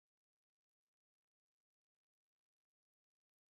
这说明了电压器的等效电阻和电压源频率的反关系。